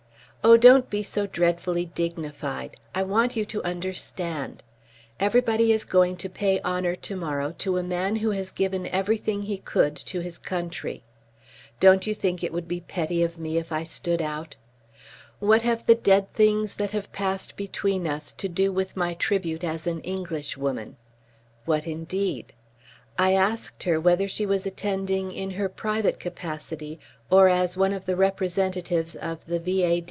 "Oh, don't be so dreadfully dignified. I want you to understand. Everybody is going to pay honour to morrow to a man who has given everything he could to his country. Don't you think it would be petty of me if I stood out? What have the dead things that have passed between us to do with my tribute as an Englishwoman?" What indeed? I asked her whether she was attending in her private capacity or as one of the representatives of the V.A.